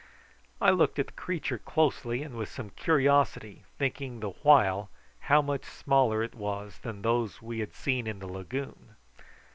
I looked at the creature closely and with some curiosity, thinking the while how much smaller it was than those we had seen in the lagoon.